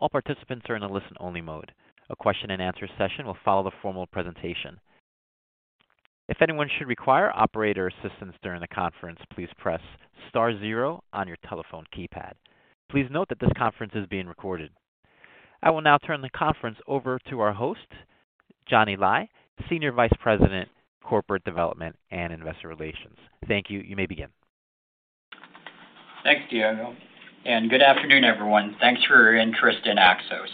All participants are in a listen-only mode. A question-and-answer session will follow the formal presentation. If anyone should require operator assistance during the conference, please press star zero on your telephone keypad. Please note that this conference is being recorded. I will now turn the conference over to our host, Johnny Lai, Senior Vice President, Corporate Development and Investor Relations. Thank you. You may begin. Thanks, Diego, and good afternoon, everyone. Thanks for your interest in Axos.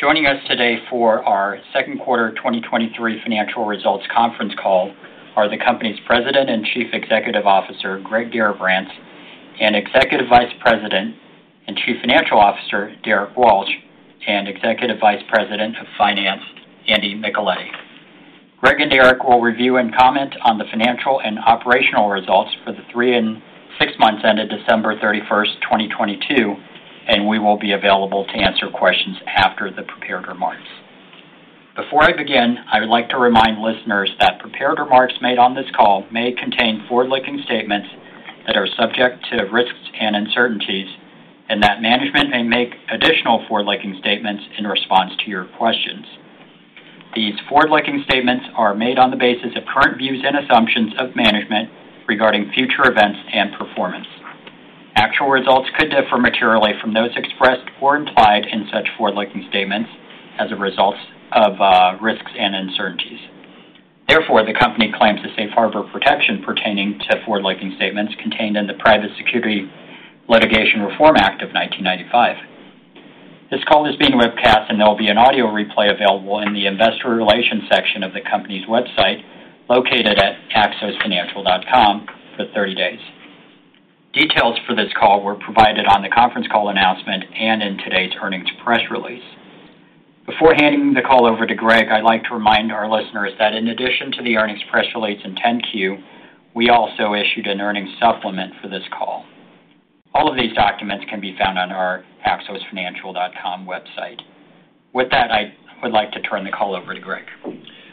Joining us today for our 2Q 2023 financial results conference call are the company's President and Chief Executive Officer, Greg Garrabrants; Executive Vice President and Chief Financial Officer, Derrick Walsh; and Executive Vice President of Finance, Andrew Micheletti. Greg and Derrick will review and comment on the financial and operational results for the three and six months ended December 31, 2022. We will be available to answer questions after the prepared remarks. Before I begin, I would like to remind listeners that prepared remarks made on this call may contain forward-looking statements that are subject to risks and uncertainties and that management may make additional forward-looking statements in response to your questions. These forward-looking statements are made on the basis of current views and assumptions of management regarding future events and performance. Actual results could differ materially from those expressed or implied in such forward-looking statements as a result of risks and uncertainties. Therefore, the company claims the safe harbor protection pertaining to forward-looking statements contained in the Private Securities Litigation Reform Act of 1995. This call is being webcast, and there will be an audio replay available in the investor relations section of the company's website, located at axosfinancial.com, for 30 days. Details for this call were provided on the conference call announcement and in today's earnings press release. Before handing the call over to Greg, I'd like to remind our listeners that in addition to the earnings press release in 10-Q, we also issued an earnings supplement for this call. All of these documents can be found on our axosfinancial.com website. With that, I would like to turn the call over to Greg.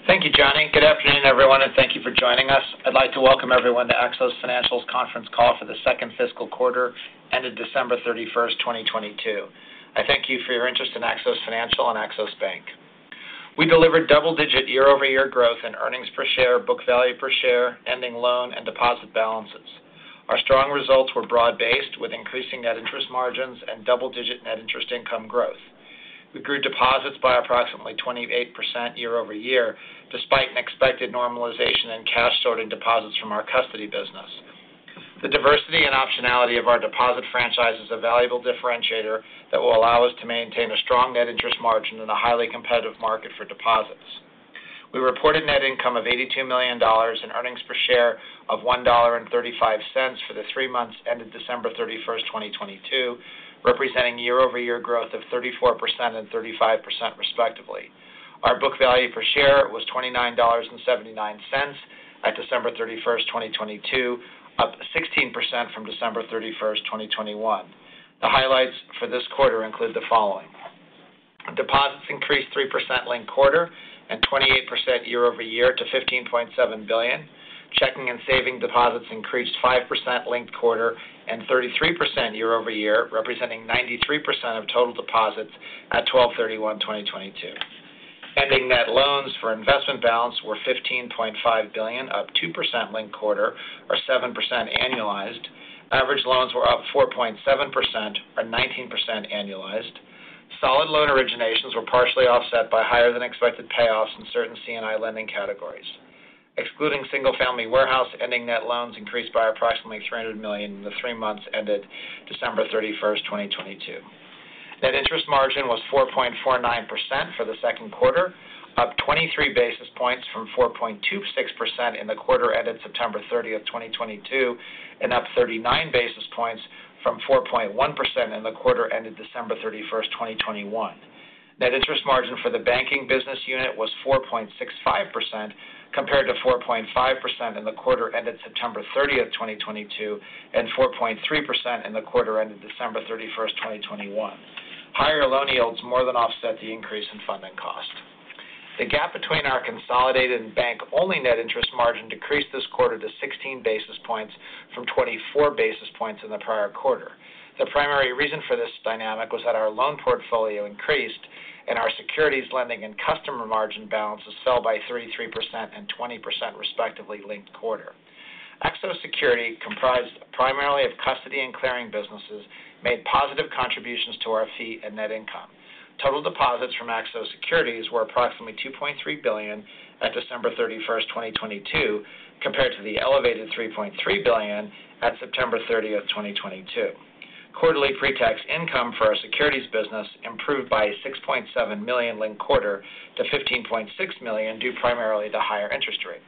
Thank you, Johnny. Good afternoon, everyone, and thank you for joining us. I'd like to welcome everyone to Axos Financial's conference call for the second fiscal quarter ended December 31st, 2022. I thank you for your interest in Axos Financial and Axos Bank. We delivered double-digit year-over-year growth in earnings per share, book value per share, ending loan, and deposit balances. Our strong results were broad-based, with increasing net interest margins and double-digit net interest income growth. We grew deposits by approximately 28% year-over-year, despite an expected normalization in cash sorting deposits from our custody business. The diversity and optionality of our deposit franchise is a valuable differentiator that will allow us to maintain a strong net interest margin in a highly competitive market for deposits. We reported net income of $82 million and earnings per share of $1.35 for the three months ended December 31, 2022, representing year-over-year growth of 34% and 35% respectively. Our book value per share was $29.79 at December 31, 2022, up 16% from December 31, 2021. The highlights for this quarter include the following. Deposits increased 3% linked quarter and 28% year-over-year to $15.7 billion. Checking and saving deposits increased 5% linked quarter and 33% year-over-year, representing 93% of total deposits at 12/31/2022. Ending net loans for investment balance were $15.5 billion, up 2% linked quarter or 7% annualized. Average loans were up 4.7% or 19% annualized. Solid loan originations were partially offset by higher than expected payoffs in certain C&I lending categories. Excluding single-family warehouse, ending net loans increased by approximately $300 million in the three months ended December 31, 2022. Net interest margin was 4.49% for the second quarter, up 23 basis points from 4.26% in the quarter ended September 30, 2022, and up 39 basis points from 4.1% in the quarter ended December 31, 2021. Net interest margin for the banking business unit was 4.65% compared to 4.5% in the quarter ended September 30, 2022, and 4.3% in the quarter ended December 31, 2021. Higher loan yields more than offset the increase in funding cost. The gap between our consolidated bank-only net interest margin decreased this quarter to 16 basis points from 24 basis points in the prior quarter. The primary reason for this dynamic was that our loan portfolio increased and our securities lending and customer margin balances fell by 33% and 20% respectively linked quarter. Axos Securities, comprised primarily of custody and clearing businesses, made positive contributions to our fee and net income. Total deposits from Axos Securities were approximately $2.3 billion at December 31, 2022, compared to the elevated $3.3 billion at September 30, 2022. Quarterly pre-tax income for our securities business improved by $6.7 million linked quarter to $15.6 million, due primarily to higher interest rates.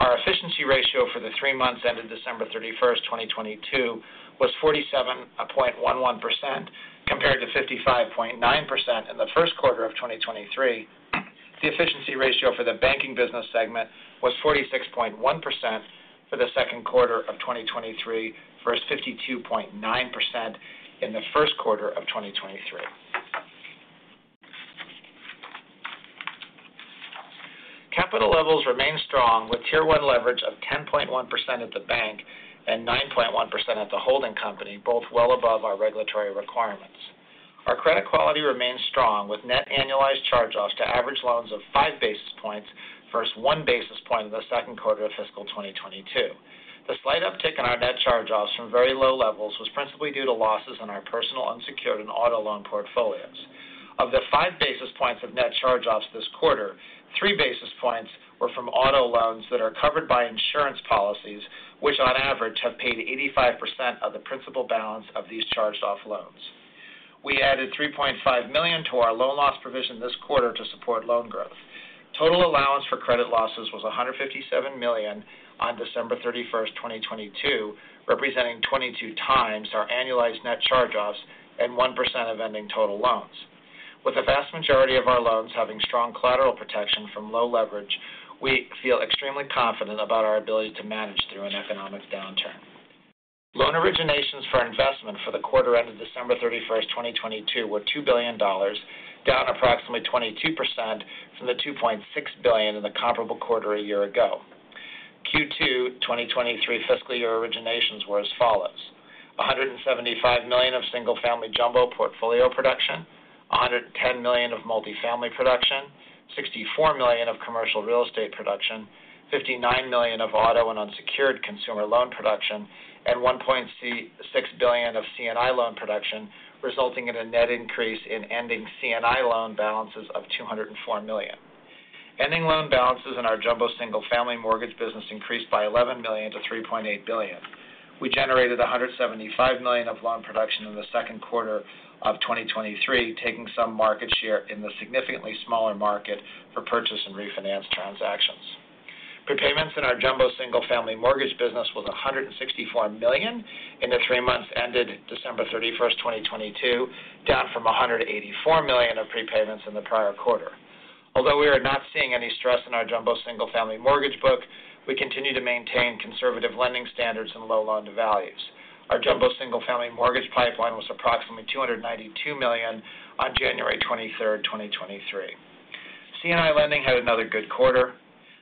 Our efficiency ratio for the three months ended December 31st, 2022, was 47.11% compared to 55.9% in the first quarter of 2023. The efficiency ratio for the banking business segment was 46.1% for the second quarter of 2023 versus 52.9% in the first quarter of 2023. Capital levels remain strong with Tier one leverage of 10.1% at the bank and 9.1% at the holding company, both well above our regulatory requirements. Our credit quality remains strong, with net annualized charge-offs to average loans of five basis points versus one basis point in the second quarter of fiscal 2022. The slight uptick in our net charge-offs from very low levels was principally due to losses on our personal unsecured and auto loan portfolios. Of the five basis points of net charge-offs this quarter, three basis points were from auto loans that are covered by insurance policies, which on average have paid 85% of the principal balance of these charged-off loans. We added $3.5 million to our loan loss provision this quarter to support loan growth. Total allowance for credit losses was $157 million on December 31, 2022, representing 22 times our annualized net charge-offs and 1% of ending total loans. With the vast majority of our loans having strong collateral protection from low leverage, we feel extremely confident about our ability to manage through an economic downturn. Loan originations for investment for the quarter ended December 31, 2022, were $2 billion, down approximately 22% from the $2.6 billion in the comparable quarter a year ago. Q2, 2023 fiscal year originations were as follows: $175 million of single-family jumbo portfolio production, $110 million of multifamily production, $64 million of commercial real estate production, $59 million of auto and unsecured consumer loan production, and $1.6 billion of C&I loan production, resulting in a net increase in ending C&I loan balances of $204 million. Ending loan balances in our jumbo single-family mortgage business increased by $11 million to $3.8 billion. We generated $175 million of loan production in the second quarter of 2023, taking some market share in the significantly smaller market for purchase and refinance transactions. Prepayments in our jumbo single-family mortgage business was $164 million in the three months ended December 31, 2022, down from $184 million of prepayments in the prior quarter. Although we are not seeing any stress in our jumbo single-family mortgage book, we continue to maintain conservative lending standards and low loan to values. Our jumbo single-family mortgage pipeline was approximately $292 million on January 23, 2023. C&I lending had another good quarter.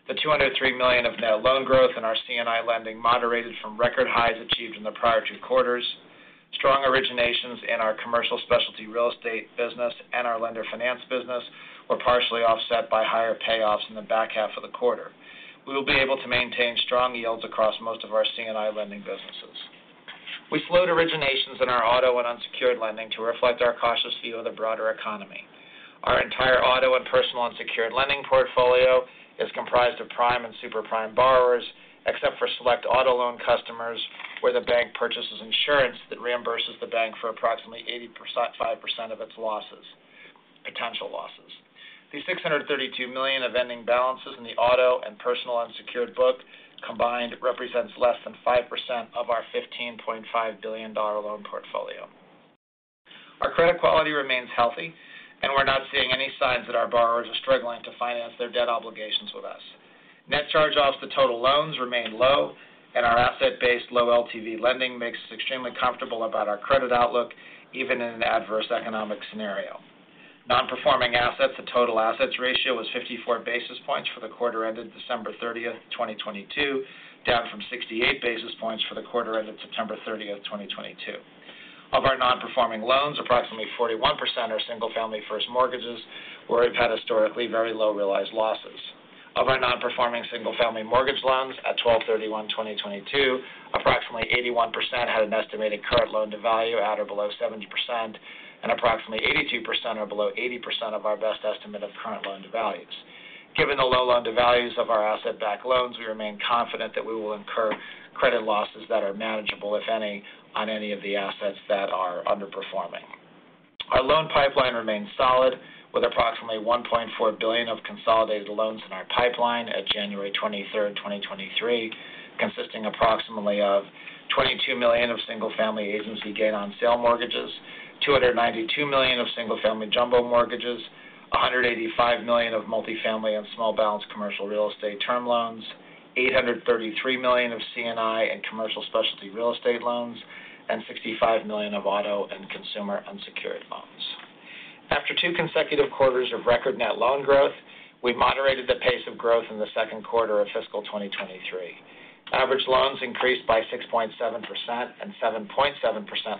The $203 million of net loan growth in our C&I lending moderated from record highs achieved in the prior two quarters. Strong originations in our commercial specialty real estate business and our lender finance business were partially offset by higher payoffs in the back half of the quarter. We will be able to maintain strong yields across most of our C&I lending businesses. We slowed originations in our auto and unsecured lending to reflect our cautious view of the broader economy. Our entire auto and personal unsecured lending portfolio is comprised of prime and super prime borrowers, except for select auto loan customers where the bank purchases insurance that reimburses the bank for approximately 5% of its losses potential losses. The $632 million of ending balances in the auto and personal unsecured book combined represents less than 5% of our $15.5 billion loan portfolio. Our credit quality remains healthy, and we're not seeing any signs that our borrowers are struggling to finance their debt obligations with us. Net charge-offs to total loans remain low, and our asset-based low LTV lending makes us extremely comfortable about our credit outlook even in an adverse economic scenario. Non-performing assets to total assets ratio was 54 basis points for the quarter ended December 30, 2022, down from 68 basis points for the quarter ended September 30, 2022. Of our non-performing loans, approximately 41% are single-family first mortgages where we've had historically very low realized losses. Of our non-performing single-family mortgage loans at 12/31/2022, approximately 81% had an estimated current loan to value at or below 70%, and approximately 82% are below 80% of our best estimate of current loan to values. Given the low loan to values of our asset-backed loans, we remain confident that we will incur credit losses that are manageable, if any, on any of the assets that are underperforming. Our loan pipeline remains solid, with approximately $1.4 billion of consolidated loans in our pipeline at January 23, 2023, consisting approximately of $22 million of single family agency gain on sale mortgages, $292 million of single family jumbo mortgages, $185 million of multifamily and small balance commercial real estate term loans, $833 million of C&I and commercial specialty real estate loans, and $65 million of auto and consumer unsecured loans. After two consecutive quarters of record net loan growth, we moderated the pace of growth in the second quarter of fiscal 2023. Average loans increased by 6.7% and 7.7%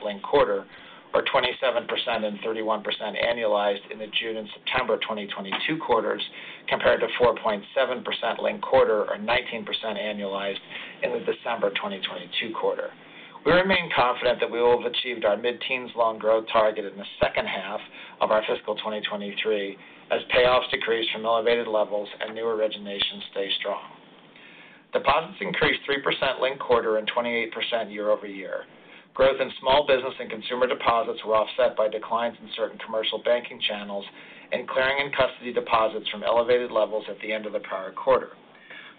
linked-quarter, or 27% and 31% annualized in the June and September 2022 quarters, compared to 4.7% linked-quarter or 19% annualized in the December 2022 quarter. We remain confident that we will have achieved our mid-teens loan growth target in the second half of our fiscal 2023 as payoffs decrease from elevated levels and new originations stay strong. Deposits increased 3% linked-quarter and 28% year-over-year. Growth in small business and consumer deposits were offset by declines in certain commercial banking channels and clearing and custody deposits from elevated levels at the end of the prior quarter.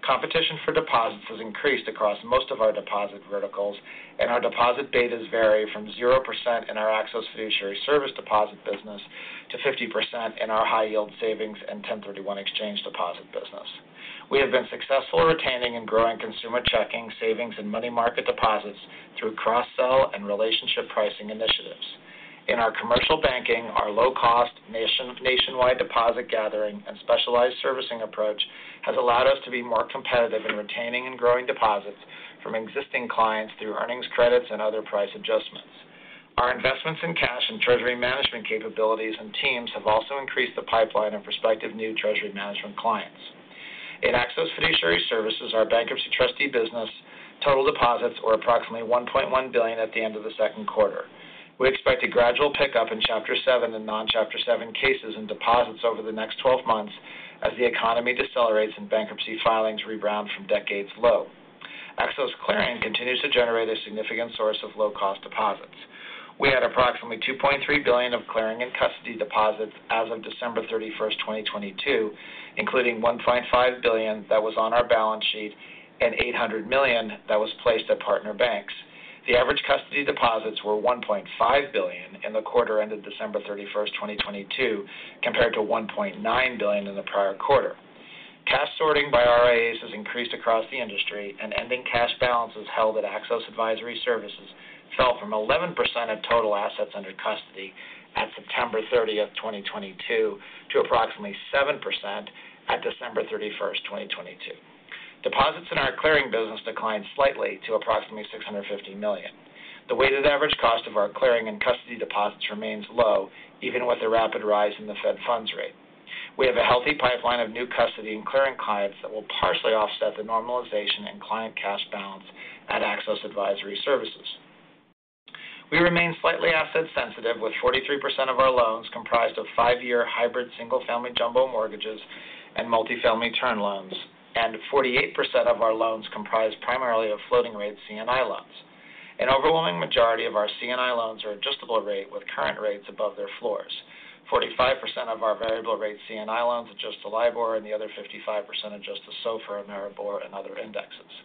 Competition for deposits has increased across most of our deposit verticals, and our deposit betas vary from 0% in our Axos Fiduciary Services deposit business to 50% in our high yield savings and 1031 exchange deposit business. We have been successful retaining and growing consumer checking, savings, and money market deposits through cross-sell and relationship pricing initiatives. In our commercial banking, our low-cost nationwide deposit gathering and specialized servicing approach has allowed us to be more competitive in retaining and growing deposits from existing clients through earnings credits and other price adjustments. Our investments in cash and treasury management capabilities and teams have also increased the pipeline of prospective new treasury management clients. In Axos Fiduciary Services, our bankruptcy trustee business, total deposits were approximately $1.1 billion at the end of the second quarter. We expect a gradual pickup in Chapter seven and non-Chapter seven cases and deposits over the next 12 months as the economy decelerates and bankruptcy filings rebound from decades low. Axos Clearing continues to generate a significant source of low-cost deposits. We had approximately $2.3 billion of clearing and custody deposits as of December 31, 2022, including $1.5 billion that was on our balance sheet and $800 million that was placed at partner banks. The average custody deposits were $1.5 billion in the quarter ended December 31, 2022, compared to $1.9 billion in the prior quarter. Cash sorting by RIAs has increased across the industry, and ending cash balances held at Axos Advisor Services fell from 11% of total assets under custody at September 30, 2022, to approximately 7% at December 31, 2022. Deposits in our clearing business declined slightly to approximately $650 million. The weighted average cost of our clearing and custody deposits remains low, even with a rapid rise in the Federal funds rate. We have a healthy pipeline of new custody and clearing clients that will partially offset the normalization in client cash balance at Axos Advisor Services. We remain slightly asset sensitive, with 43% of our loans comprised of five-year hybrid single-family jumbo mortgages and multifamily term loans, and 48% of our loans comprised primarily of floating-rate C&I loans. An overwhelming majority of our C&I loans are adjustable rate with current rates above their floors. 45% of our variable rate C&I loans adjust to LIBOR, and the other 55% adjust to SOFR and MIBOR and other indexes.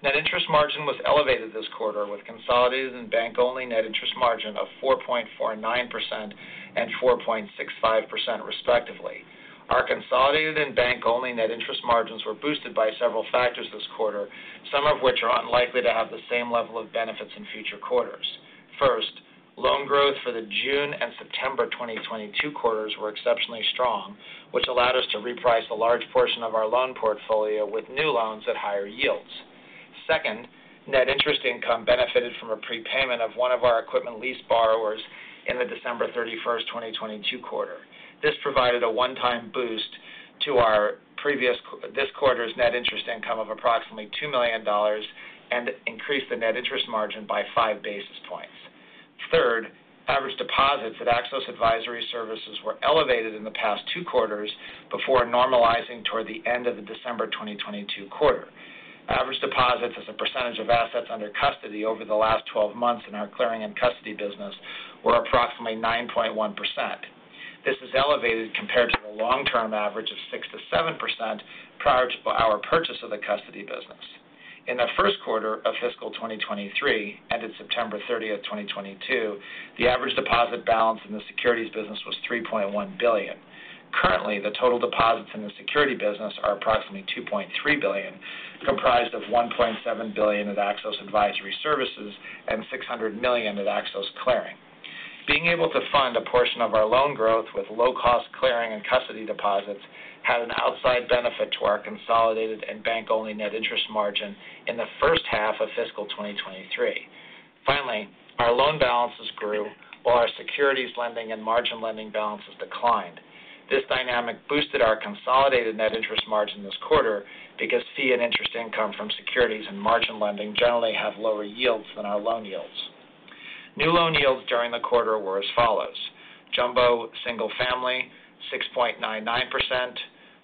Net interest margin was elevated this quarter with consolidated and bank-only net interest margin of 4.49% and 4.65% respectively. Our consolidated and bank-only net interest margins were boosted by several factors this quarter, some of which are unlikely to have the same level of benefits in future quarters. First, loan growth for the June and September 2022 quarters were exceptionally strong, which allowed us to reprice a large portion of our loan portfolio with new loans at higher yields. Second, net interest income benefited from a prepayment of one of our equipment lease borrowers in the December 31, 2022 quarter. This provided a one-time boost to this quarter's net interest income of approximately $2 million and increased the net interest margin by five basis points. Third, average deposits at Axos Advisor Services were elevated in the past two quarters before normalizing toward the end of the December 2022 quarter. Average deposits as a percentage of assets under custody over the last 12 months in our clearing and custody business were approximately 9.1%. This is elevated compared to the long-term average of 6%-7% prior to our purchase of the custody business. In the 1st quarter of fiscal 2023, ended September 30, 2022, the average deposit balance in the securities business was $3.1 billion. Currently, the total deposits in the security business are approximately $2.3 billion, comprised of $1.7 billion at Axos Advisor Services and $600 million at Axos Clearing. Being able to fund a portion of our loan growth with low-cost clearing and custody deposits had an outside benefit to our consolidated and bank-only net interest margin in the first half of fiscal 2023. Finally, our loan balances grew while our securities lending and margin lending balances declined. This dynamic boosted our consolidated net interest margin this quarter because fee and interest income from securities and margin lending generally have lower yields than our loan yields. New loan yields during the quarter were as follows: jumbo single family, 6.99%;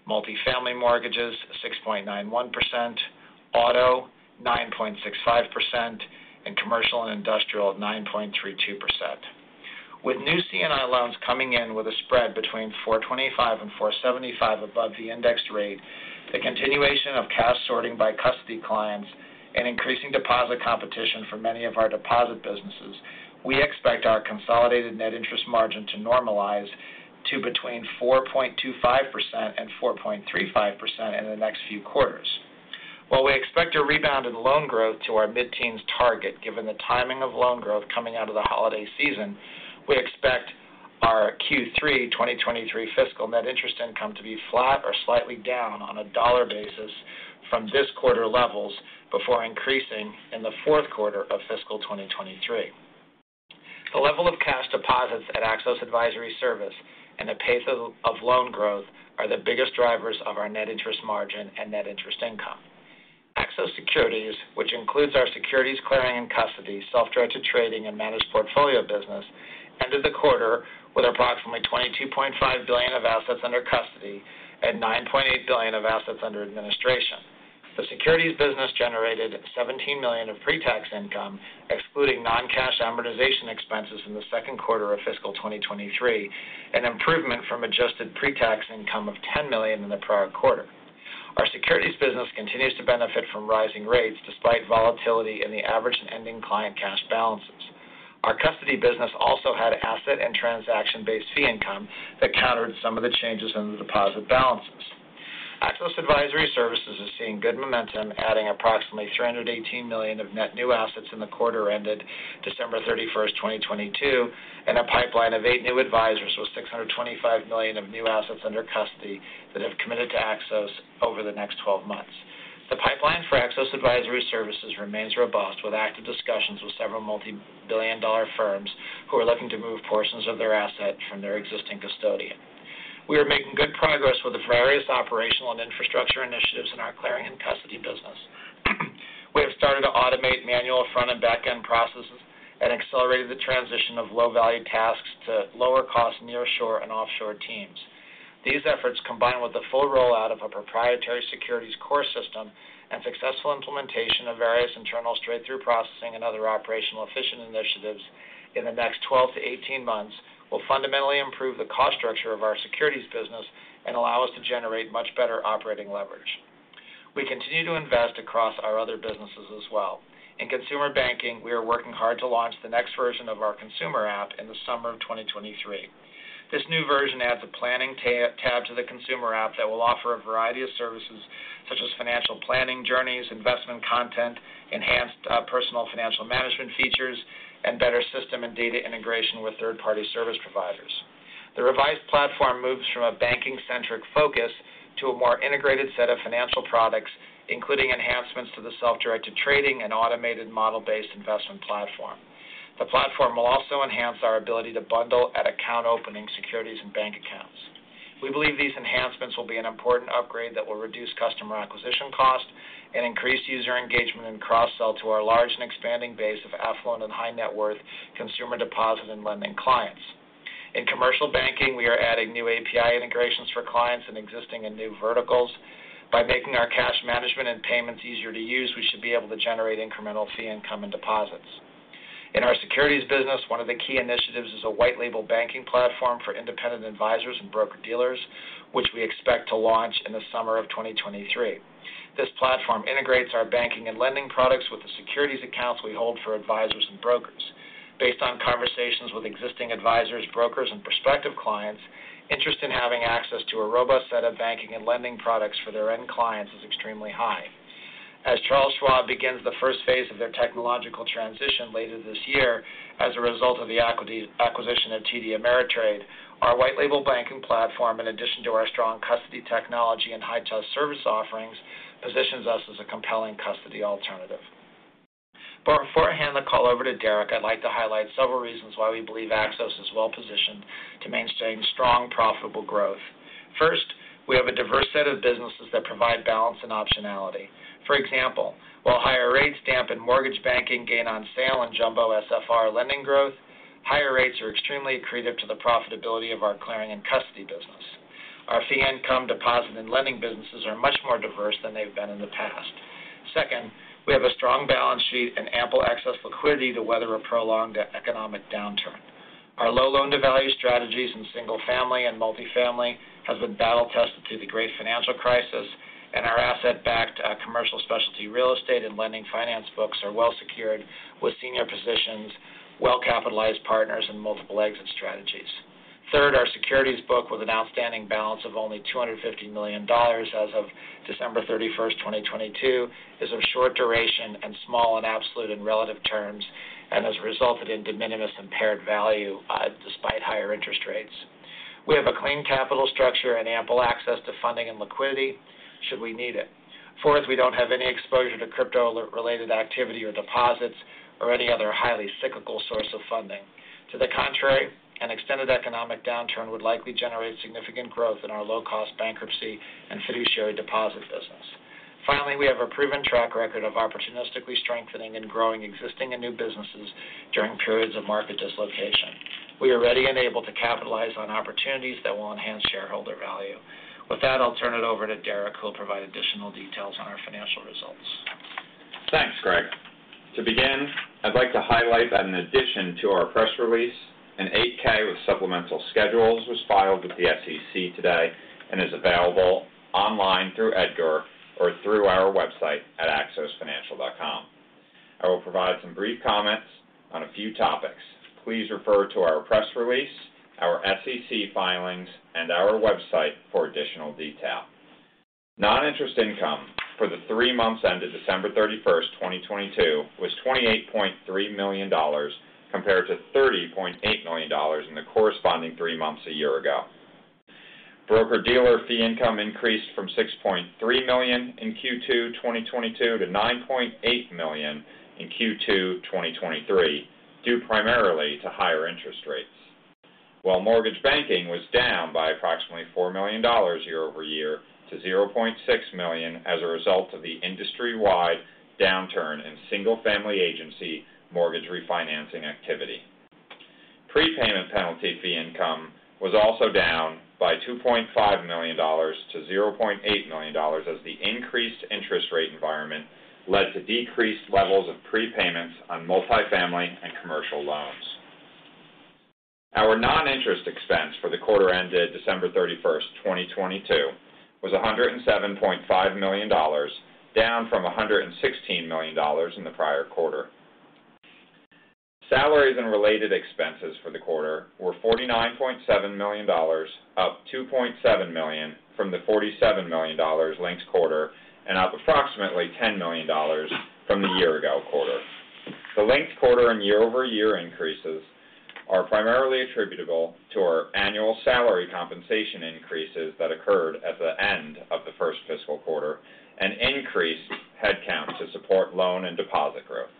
multifamily mortgages, 6.91%; auto, 9.65%; and commercial and industrial, 9.32%. With new C&I loans coming in with a spread between 4.25% and 4.75% above the index rate, the continuation of cash sorting by custody clients and increasing deposit competition for many of our deposit businesses, we expect our consolidated net interest margin to normalize to between 4.25% and 4.35% in the next few quarters. While we expect a rebound in loan growth to our mid-teens target, given the timing of loan growth coming out of the holiday season, we expect our Q3 2023 fiscal net interest income to be flat or slightly down on a $ basis from this quarter levels before increasing in the fourth quarter of fiscal 2023. The level of cash deposits at Axos Advisor Services and the pace of loan growth are the biggest drivers of our net interest margin and net interest income. Axos Securities, which includes our securities clearing and custody, self-directed trading, and managed portfolio business, ended the quarter with approximately $22.5 billion of assets under custody and $9.8 billion of assets under administration. The securities business generated $17 million of pre-tax income, excluding non-cash amortization expenses in the second quarter of fiscal 2023, an improvement from adjusted pre-tax income of $10 million in the prior quarter. Our securities business continues to benefit from rising rates despite volatility in the average and ending client cash balances. Our custody business also had asset and transaction-based fee income that countered some of the changes in the deposit balances. Axos Advisor Services is seeing good momentum, adding approximately $318 million of net new assets in the quarter ended December 31, 2022, and a pipeline of eight new advisors with $625 million of new assets under custody that have committed to Axos over the next 12 months. The pipeline for Axos Advisor Services remains robust, with active discussions with several multi-billion-dollar firms who are looking to move portions of their assets from their existing custodian. We are making good progress with the various operational and infrastructure initiatives in our clearing and custody business. We have started to automate manual front and back-end processes and accelerated the transition of low-value tasks to lower-cost nearshore and offshore teams. These efforts, combined with the full rollout of a proprietary securities core system and successful implementation of various internal straight-through processing and other operational efficient initiatives in the next 12 to 18 months, will fundamentally improve the cost structure of our securities business and allow us to generate much better operating leverage. We continue to invest across our other businesses as well. In consumer banking, we are working hard to launch the next version of our consumer app in the summer of 2023. This new version adds a planning tab to the consumer app that will offer a variety of services such as financial planning journeys, investment content, enhanced personal financial management features, and better system and data integration with third-party service providers. The revised platform moves from a banking-centric focus to a more integrated set of financial products, including enhancements to the self-directed trading and automated model-based investment platform. The platform will also enhance our ability to bundle at account opening securities and bank accounts. We believe these enhancements will be an important upgrade that will reduce customer acquisition costs and increase user engagement and cross-sell to our large and expanding base of affluent and high net worth consumer deposit and lending clients. In commercial banking, we are adding new API integrations for clients in existing and new verticals. By making our cash management and payments easier to use, we should be able to generate incremental fee income and deposits. In our securities business, one of the key initiatives is a white-label banking platform for independent advisors and broker-dealers, which we expect to launch in the summer of 2023. This platform integrates our banking and lending products with the securities accounts we hold for advisors and brokers. Based on conversations with existing advisors, brokers, and prospective clients, interest in having access to a robust set of banking and lending products for their end clients is extremely high. As Charles Schwab begins the first phase of their technological transition later this year as a result of the acquisition of TD Ameritrade, our white-label banking platform, in addition to our strong custody technology and high touch service offerings, positions us as a compelling custody alternative. Before I hand the call over to Derrick, I'd like to highlight several reasons why we believe Axos is well-positioned to maintain strong, profitable growth. First, we have a diverse set of businesses that provide balance and optionality. For example, while higher rates dampen mortgage banking gain on sale and jumbo SFR lending growth, higher rates are extremely accretive to the profitability of our clearing and custody business. Our fee income deposit and lending businesses are much more diverse than they've been in the past. Second, we have a strong balance sheet and ample access to liquidity to weather a prolonged economic downturn. Our low loan-to-value strategies in single family and multifamily has been battle tested through the great financial crisis, and our asset-backed commercial specialty real estate and lender finance books are well secured with senior positions, well-capitalized partners, and multiple exit strategies. Third, our securities book, with an outstanding balance of only $250 million as of December 31st, 2022, is of short duration and small in absolute and relative terms and has resulted in de minimis impaired value, despite higher interest rates. We have a clean capital structure and ample access to funding and liquidity should we need it. Fourth, we don't have any exposure to crypto-related activity or deposits or any other highly cyclical source of funding. To the contrary, an extended economic downturn would likely generate significant growth in our low-cost bankruptcy and fiduciary deposit business. Finally, we have a proven track record of opportunistically strengthening and growing existing and new businesses during periods of market dislocation. We are ready and able to capitalize on opportunities that will enhance shareholder value. With that, I'll turn it over to Derrick, who will provide additional details on our financial results. Thanks, Greg. To begin, I'd like to highlight that in addition to our press release, an Form 8-K with supplemental schedules was filed with the SEC today and is available online through EDGAR or through our website at axosfinancial.com. I will provide some brief comments on a few topics. Please refer to our press release, our SEC filings, and our website for additional detail. Non-interest income for the three months ended December 31st, 2022, was $28.3 million, compared to $30.8 million in the corresponding three months a year ago. Broker-dealer fee income increased from $6.3 million in Q2 2022 to $9.8 million in Q2 2023, due primarily to higher interest rates. While mortgage banking was down by approximately $4 million year-over-year to $0.6 million as a result of the industry-wide downturn in single-family agency mortgage refinancing activity. Prepayment penalty fee income was also down by $2.5 million to $0.8 million as the increased interest rate environment led to decreased levels of prepayments on multifamily and commercial loans. Our non-interest expense for the quarter ended December 31, 2022, was $107.5 million, down from $116 million in the prior quarter. Salaries and related expenses for the quarter were $49.7 million, up $2.7 million from the $47 million linked quarter and up approximately $10 million from the year-ago quarter. The linked quarter and year-over-year increases are primarily attributable to our annual salary compensation increases that occurred at the end of the first fiscal quarter and increased headcount to support loan and deposit growth.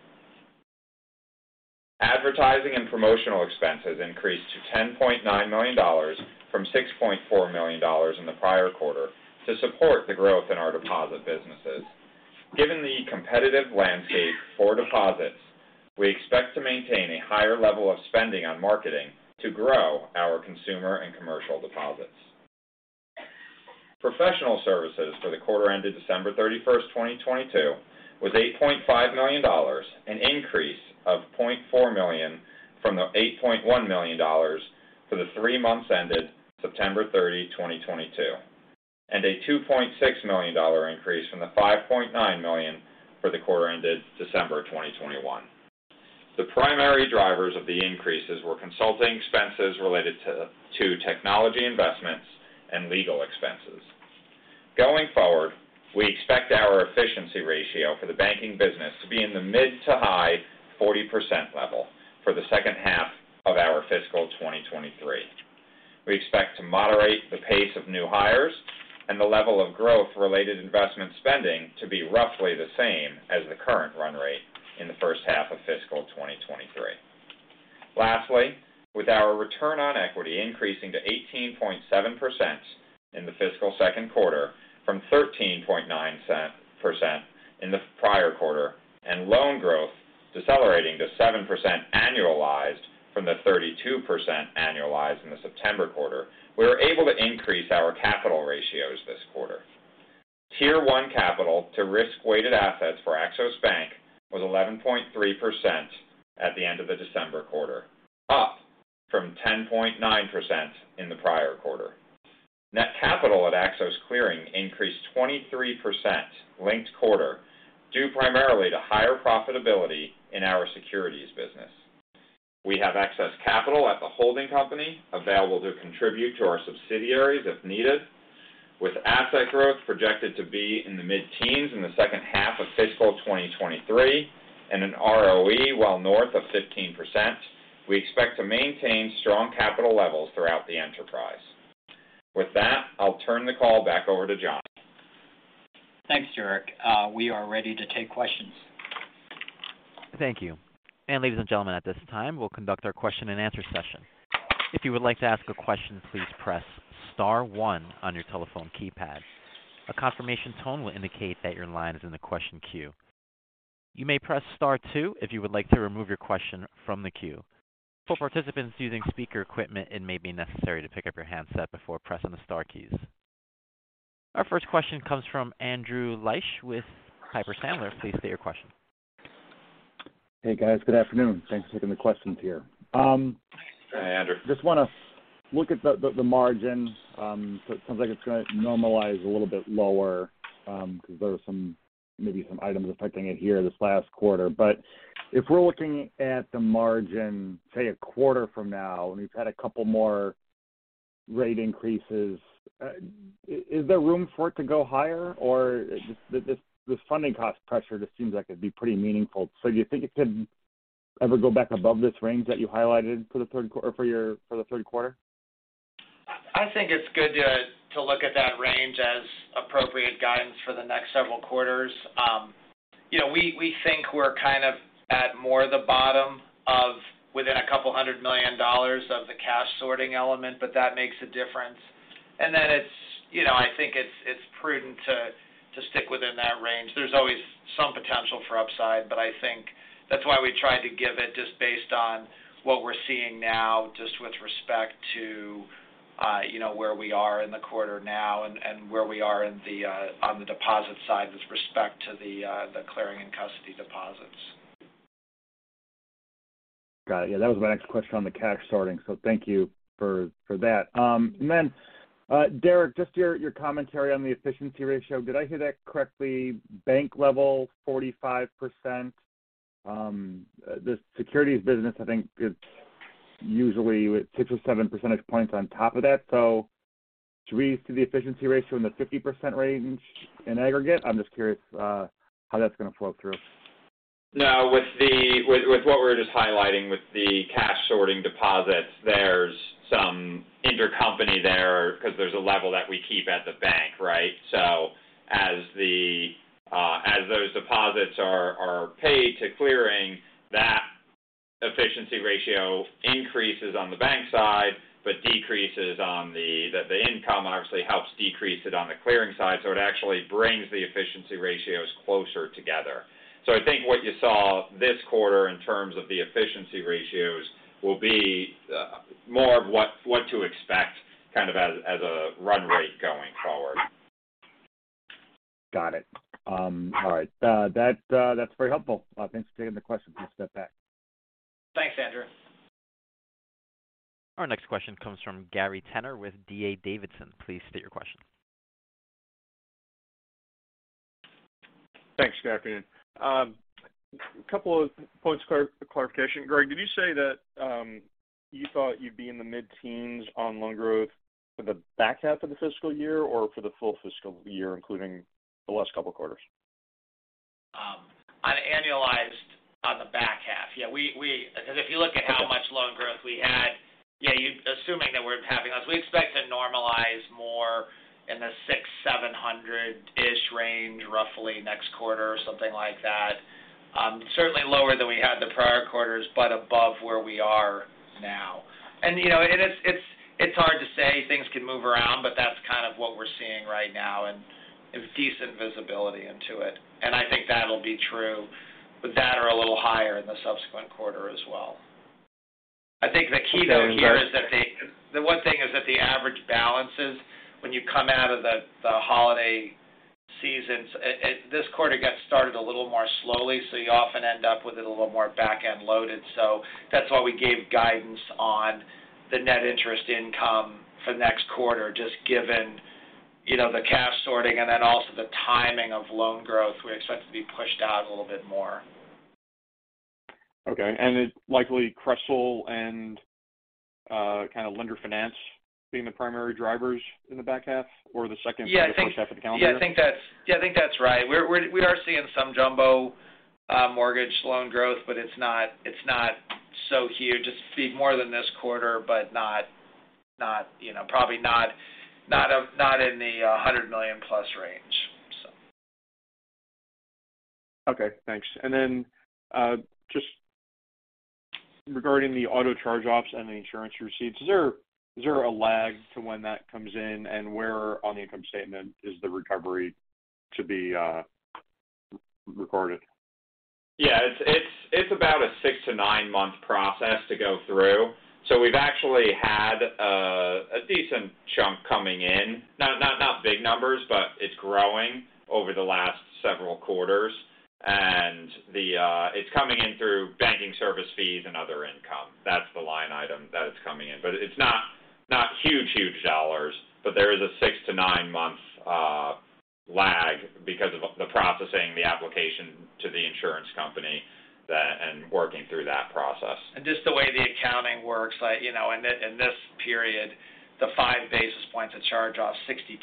Advertising and promotional expenses increased to $10.9 million from $6.4 million in the prior quarter to support the growth in our deposit businesses. Given the competitive landscape for deposits, we expect to maintain a higher level of spending on marketing to grow our consumer and commercial deposits. Professional services for the quarter ended December 31, 2022 was $8.5 million, an increase of $0.4 million from the $8.1 million for the three months ended September 30, 2022, and a $2.6 million increase from the $5.9 million for the quarter ended December 2021. The primary drivers of the increases were consulting expenses related to technology investments and legal expenses. Going forward, we expect our efficiency ratio for the banking business to be in the mid to high 40% level for the second half of our fiscal 2023. We expect to moderate the pace of new hires and the level of growth-related investment spending to be roughly the same as the current run rate in the first half of fiscal 2023. Lastly, with our return on equity increasing to 18.7% in the fiscal second quarter from 13.9% in the prior quarter, and loan growth decelerating to 7% annualized from the 32% annualized in the September quarter, we were able to increase our capital ratios this quarter. Tier 1 capital to risk-weighted assets for Axos Bank was 11.3% at the end of the December quarter, up from 10.9% in the prior quarter. Net capital at Axos Clearing increased 23% linked quarter, due primarily to higher profitability in our securities business. We have excess capital at the holding company available to contribute to our subsidiaries if needed. With asset growth projected to be in the mid-teens in the second half of fiscal 2023 and an ROE well north of 15%, we expect to maintain strong capital levels throughout the enterprise. With that, I'll turn the call back over to John. Thanks, Derrick. We are ready to take questions. Thank you. Ladies and gentlemen, at this time, we'll conduct our question and answer session. If you would like to ask a question, please press star one on your telephone keypad. A confirmation tone will indicate that your line is in the question queue. You may press star two if you would like to remove your question from the queue. For participants using speaker equipment, it may be necessary to pick up your handset before pressing the star keys. Our first question comes from Andrew Liesch with Piper Sandler. Please state your question. Hey, guys. Good afternoon. Thanks for taking the questions here. Hi, Andrew. Just want to look at the margin. It sounds like it's going to normalize a little bit lower, because there were some items affecting it here this last quarter. If we're looking at the margin, say a quarter from now, and we've had a couple more rate increases, is there room for it to go higher, or this funding cost pressure just seems like it'd be pretty meaningful. Do you think it could ever go back above this range that you highlighted for the third quarter? I think it's good to look at that range as appropriate guidance for the next several quarters. you know, we think we're kind of at more the bottom of within $200 million of the cash sorting element, but that makes a difference. It's, you know, I think it's prudent to stick within that range. There's always some potential for upside, but I think that's why we try to give it just based on what we're seeing now, just with respect to, you know, where we are in the quarter now and where we are on the deposit side with respect to the clearing and custody deposits. Got it. Yeah, that was my next question on the cash sorting. Thank you for that. Derrick, just your commentary on the efficiency ratio. Did I hear that correctly? Bank level 45%. The securities business I think is usually six or seven percentage points on top of that. To read through the efficiency ratio in the 50% range in aggregate, I'm just curious how that's going to flow through. With what we were just highlighting with the cash sorting deposits, there's some intercompany there because there's a level that we keep at the bank, right? As those deposits are paid to clearing, that efficiency ratio increases on the bank side but decreases on the income obviously helps decrease it on the clearing side, so it actually brings the efficiency ratios closer together. I think what you saw this quarter in terms of the efficiency ratios will be more of what to expect kind of as a run rate going forward. Got it. All right. That's very helpful. Thanks for taking the question from step back. Thanks, Andrew. Our next question comes from Gary Tenner with D.A. Davidson. Please state your question. Thanks. Good afternoon. A couple of points clarification. Greg, did you say that you thought you'd be in the mid-teens on loan growth for the back half of the fiscal year or for the full fiscal year, including the last couple of quarters? On annualized on the back half. Because if you look at how much loan growth we had, assuming that we're having us, we expect to normalize more in the 600-700ish range roughly next quarter or something like that. Certainly lower than we had the prior quarters, but above where we are now. You know, it's hard to say. Things can move around, but that's kind of what we're seeing right now and a decent visibility into it. I think that'll be true, but that are a little higher in the subsequent quarter as well. I think the key though here is that the one thing is that the average balances when you come out of the holiday seasons, it this quarter got started a little more slowly, so you often end up with it a little more back-end loaded. That's why we gave guidance on the net interest income for next quarter, just given, you know, the cash sorting and then also the timing of loan growth we expect to be pushed out a little bit more. Okay. It likely C&I and, kind of lender finance being the primary drivers in the back half or the second half of the calendar? Yeah, I think that's. Yeah, I think that's right. We are seeing some jumbo mortgage loan growth, but it's not, it's not so huge. It's a bit more than this quarter, but not, you know, probably not in the $100 million plus range. Okay, thanks. Just regarding the auto charge-offs and the insurance receipts, is there a lag to when that comes in and where on the income statement is the recovery to be recorded? It's about a six to nine-month process to go through. We've actually had a decent chunk coming in. Not big numbers, but it's growing over the last several quarters. It's coming in through banking service fees and other income. That's the line item that it's coming in. It's not huge dollars. There is a six to nine-month lag because of the processing the application to the insurance company then and working through that process. Just the way the accounting works, like, you know, in this period, the five basis points of charge off, 60%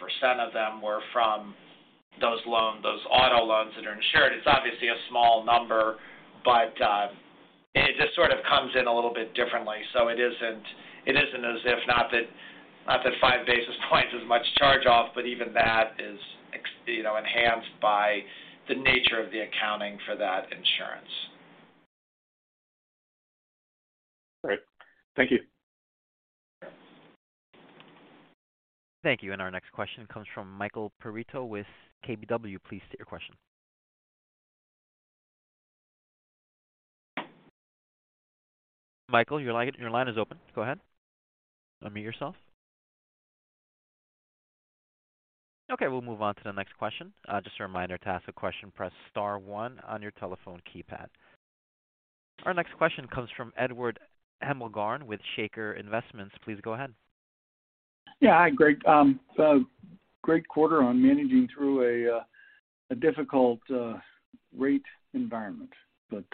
of them were from those loans, those auto loans that are insured. It's obviously a small number, but it just sort of comes in a little bit differently. It isn't as if not that, not that five basis points as much charge off, but even that is you know, enhanced by the nature of the accounting for that insurance. All right. Thank you. Okay. Thank you. Our next question comes from Michael Perito with KBW. Please state your question. Michael, your line is open. Go ahead. Unmute yourself. Okay, we'll move on to the next question. Just a reminder, to ask a question, press star one on your telephone keypad. Our next question comes from Edward Hemmelgarn with Shaker Investments. Please go ahead. Yeah. Hi, Greg. Great quarter on managing through a difficult rate environment. Thank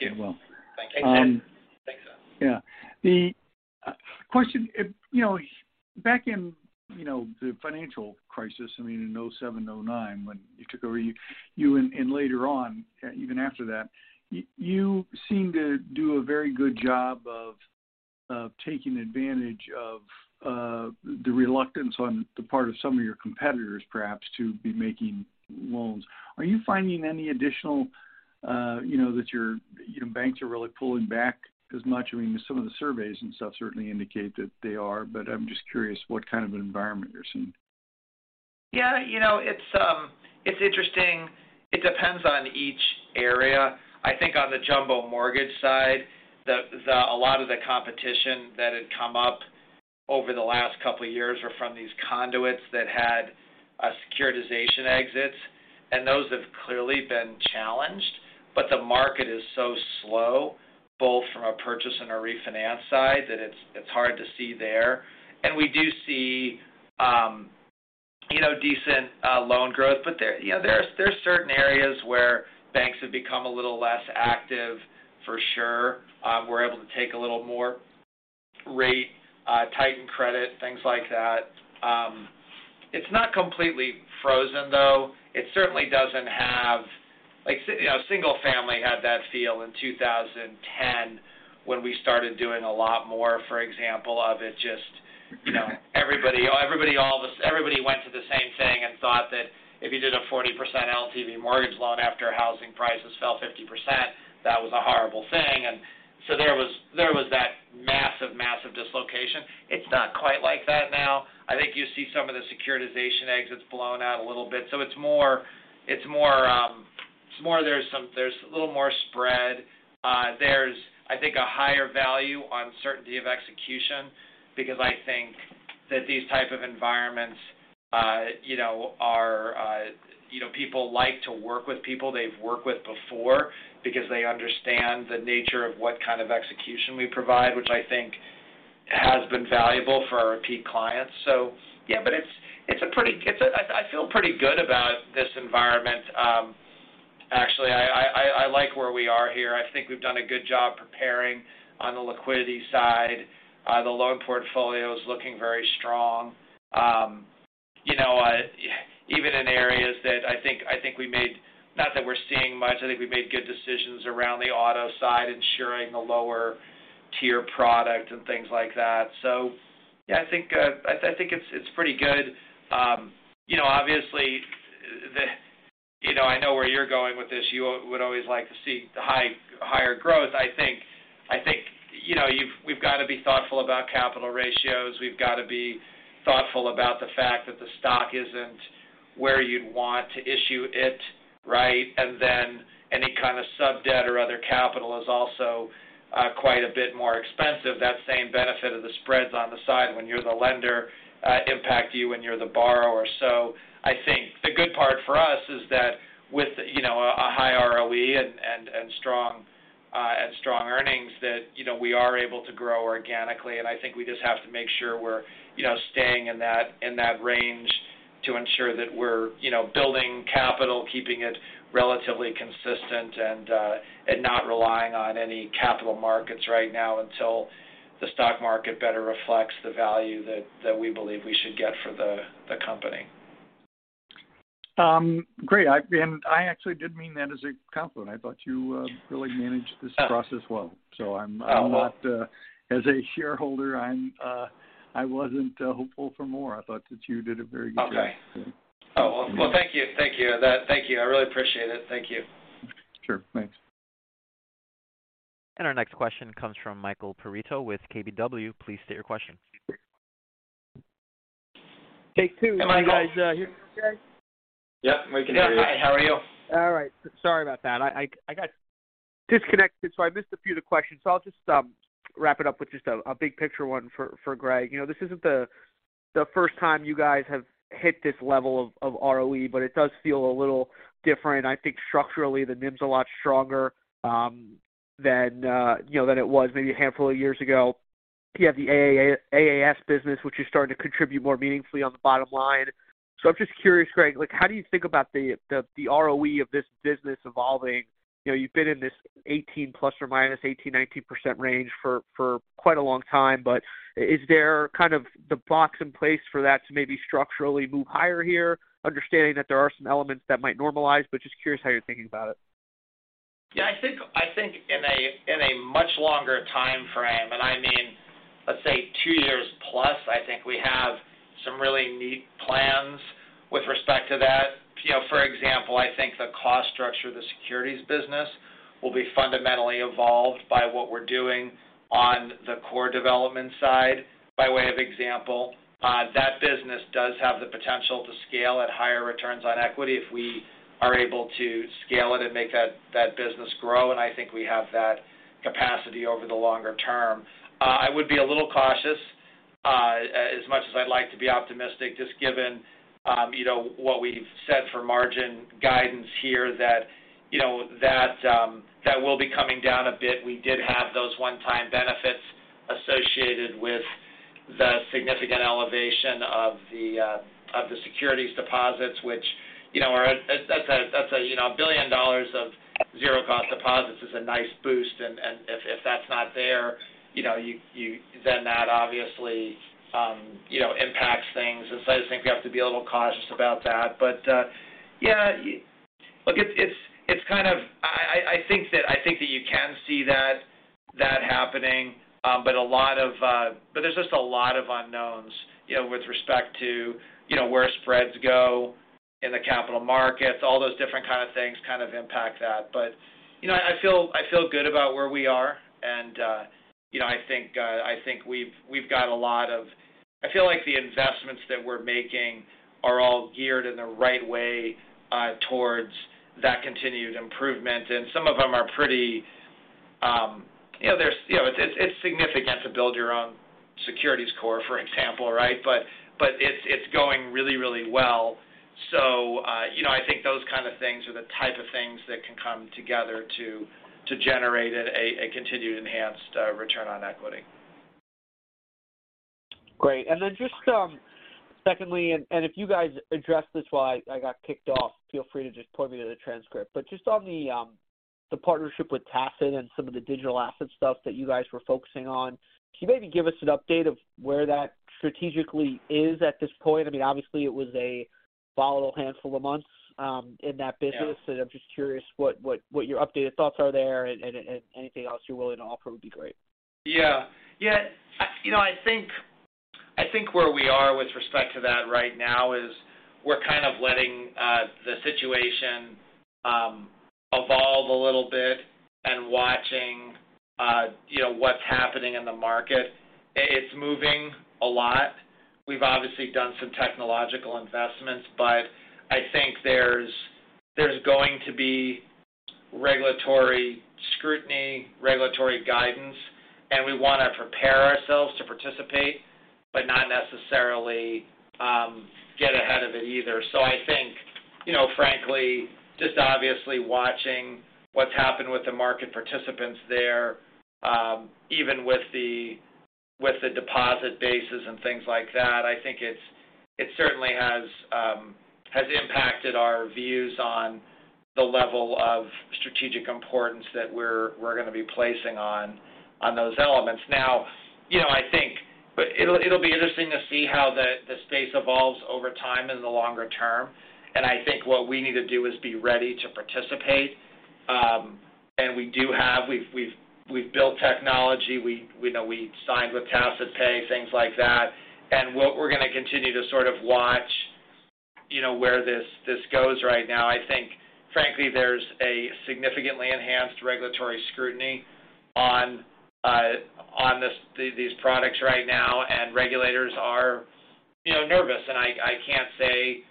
you. Well. Thank you. Yeah. The question, you know, back in, you know, the financial crisis, I mean, in 2007, 2009, when you took over, you and later on, even after that, you seem to do a very good job of taking advantage of the reluctance on the part of some of your competitors, perhaps, to be making loans. Are you finding any additional, you know, that your, you know, banks are really pulling back as much? I mean, some of the surveys and stuff certainly indicate that they are, but I'm just curious what kind of environment you're seeing. You know, it's interesting. It depends on each area. I think on the jumbo mortgage side, a lot of the competition that had come up over the last couple of years were from these conduits that had securitization exits, and those have clearly been challenged. The market is so slow, both from a purchase and a refinance side, that it's hard to see there. We do see, you know, decent loan growth. There, you know, there's certain areas where banks have become a little less active for sure. We're able to take a little more rate, tightened credit, things like that. It's not completely frozen, though. It certainly doesn't have... Like, you know, single family had that feel in 2010 when we started doing a lot more, for example, of it just, you know, everybody went to the same thing and thought that if you did a 40% LTV mortgage loan after housing prices fell 50%, that was a horrible thing. There was that massive dislocation. It's not quite like that now. I think you see some of the securitization exits blown out a little bit. It's more there's a little more spread. There's, I think, a higher value on certainty of execution because I think that these type of environments, you know, are, you know, people like to work with people they've worked with before because they understand the nature of what kind of execution we provide, which I think has been valuable for our repeat clients. Yeah, but I feel pretty good about this environment. Actually, I like where we are here. I think we've done a good job preparing on the liquidity side. The loan portfolio is looking very strong. You know, even in areas that I think we made, not that we're seeing much, I think we made good decisions around the auto side, ensuring the lower tier product and things like that. Yeah, I think it's pretty good. You know, obviously, you know, I know where you're going with this. You would always like to see higher growth. I think, you know, we've got to be thoughtful about capital ratios. We've got to be thoughtful about the fact that the stock isn't where you'd want to issue it, right? Any kind of sub-debt or other capital is also, quite a bit more expensive. That same benefit of the spreads on the side when you're the lender, impact you when you're the borrower. I think the good part for us is that with, you know, a high ROE and strong earnings that, you know, we are able to grow organically. I think we just have to make sure we're, you know, staying in that range to ensure that we're, you know, building capital, keeping it relatively consistent and not relying on any capital markets right now until the stock market better reflects the value that we believe we should get for the company. Great. I actually did mean that as a compliment. I thought you really managed this process well. I'm not, as a shareholder, I wasn't hopeful for more. I thought that you did a very good job. Okay. Oh, well, thank you. Thank you. Thank you. I really appreciate it. Thank you. Sure. Thanks. Our next question comes from Michael Perito with KBW. Please state your question. Take two. Am I guys, here okay? Yep, we can hear you. Hi, how are you? All right. Sorry about that. I got disconnected, so I missed a few of the questions. I'll just wrap it up with just a big picture one for Greg. You know, this isn't the first time you guys have hit this level of ROE, but it does feel a little different. I think structurally, the NIM's a lot stronger, than, you know, than it was maybe a handful of years ago. You have the AAS business, which is starting to contribute more meaningfully on the bottom line. I'm just curious, Greg, like, how do you think about the ROE of this business evolving? You know, you've been in this 18 plus or minus 18-19% range for quite a long time. Is there kind of the blocks in place for that to maybe structurally move higher here, understanding that there are some elements that might normalize, but just curious how you're thinking about it? I think in a, in a much longer timeframe, and I mean, let's say two years plus, I think we have some really neat plans with respect to that. You know, for example, I think the cost structure of the securities business will be fundamentally evolved by what we're doing on the core development side. By way of example, that business does have the potential to scale at higher returns on equity if we are able to scale it and make that business grow, and I think we have that capacity over the longer term. I would be a little cautious, as much as I'd like to be optimistic, just given, you know, what we've said for margin guidance here that, you know, that will be coming down a bit. We did have those one-time benefits associated with the significant elevation of the securities deposits, which, you know, that's a, that's a, you know, $1 billion of zero cost deposits is a nice boost. If, if that's not there, you know, you, then that obviously, you know, impacts things. I just think we have to be a little cautious about that. Yeah, look, it's, it's kind of I think that, I think that you can see that happening, but there's just a lot of unknowns, you know, with respect to, you know, where spreads go in the capital markets. All those different kind of things kind of impact that. You know, I feel, I feel good about where we are. you know, I think, I think we've got a lot of I feel like the investments that we're making are all geared in the right way, towards that continued improvement. Some of them are pretty, You know, it's significant to build your own securities core, for example, right? It's going really well. you know, I think those kind of things are the type of things that can come together to generate a continued enhanced return on equity. Great. Secondly, and if you guys addressed this while I got kicked off, feel free to just point me to the transcript. Just on the partnership with Tassin and some of the digital asset stuff that you guys were focusing on, can you maybe give us an update of where that strategically is at this point? I mean, obviously it was a volatile handful of months in that business. Yeah. I'm just curious what your updated thoughts are there and anything else you're willing to offer would be great. Yeah. Yeah. You know, I think, I think where we are with respect to that right now is we're kind of letting the situation evolve a little bit and watching, you know, what's happening in the market. It's moving a lot. We've obviously done some technological investments, but I think there's going to be regulatory scrutiny, regulatory guidance, and we want to prepare ourselves to participate, but not necessarily get ahead of it either. You know, frankly, just obviously watching what's happened with the market participants there, even with the deposit bases and things like that, I think it certainly has impacted our views on the level of strategic importance that we're going to be placing on those elements. Now, you know, I think it'll be interesting to see how the space evolves over time in the longer term. I think what we need to do is be ready to participate. We've built technology. We know we signed with Cassid Pay, things like that. What we're gonna continue to sort of watch, you know, where this goes right now, I think, frankly, there's a significantly enhanced regulatory scrutiny on these products right now, and regulators are, you know, nervous. I can't say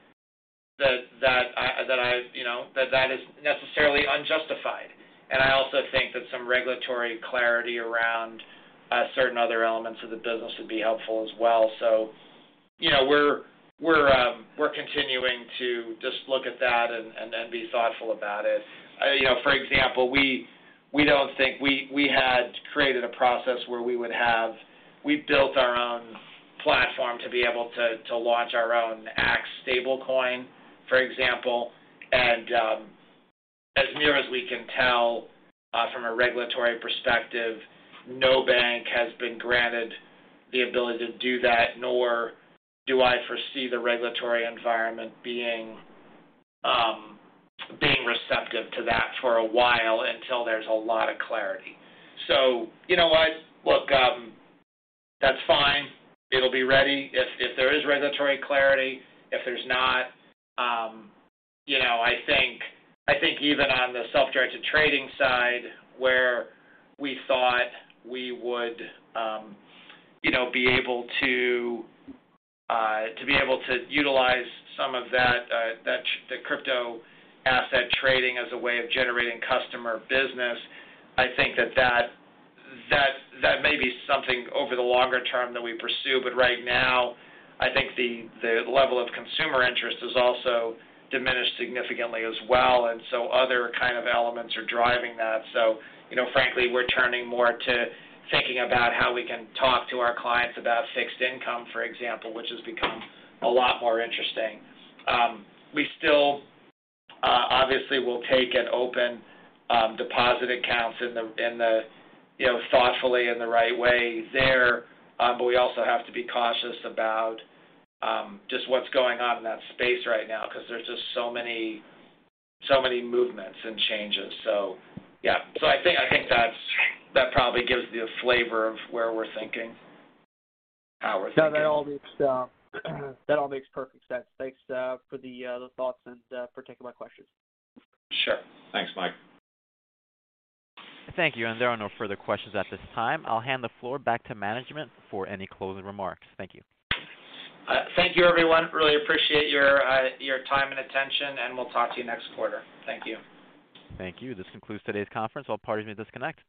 that I, you know, that that is necessarily unjustified. I also think that some regulatory clarity around certain other elements of the business would be helpful as well. You know, we're continuing to just look at that and then be thoughtful about it. You know, for example, we don't think we had created a process where we built our own platform to be able to launch our own Axos Stablecoin, for example. As near as we can tell, from a regulatory perspective, no bank has been granted the ability to do that, nor do I foresee the regulatory environment being receptive to that for a while until there's a lot of clarity. You know what? Look, that's fine. It'll be ready if there is regulatory clarity. If there's not, you know, I think even on the self-directed trading side where we thought we would, you know, be able to be able to utilize some of that, the crypto asset trading as a way of generating customer business. I think that may be something over the longer term that we pursue, but right now, I think the level of consumer interest is also diminished significantly as well. Other kind of elements are driving that. You know, frankly, we're turning more to thinking about how we can talk to our clients about fixed income, for example, which has become a lot more interesting. We still obviously will take and open deposit accounts in the, in the, you know, thoughtfully in the right way there. We also have to be cautious about just what's going on in that space right now because there's just so many movements and changes. I think that's, that probably gives you a flavor of where we're thinking. How we're thinking. No, that all makes perfect sense. Thanks for the thoughts and for taking my questions. Sure. Thanks, Mike. Thank you. There are no further questions at this time. I'll hand the floor back to management for any closing remarks. Thank you. Thank you everyone. Really appreciate your time and attention, and we'll talk to you next quarter. Thank you. Thank you. This concludes today's conference. All parties may disconnect.